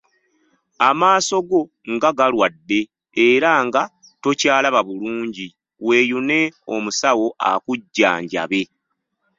Amaaso go nga galwadde, era nga tokyalaba bulungi, weeyune omusawo akujjanjabe.